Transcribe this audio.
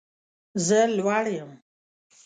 زه لوړ یم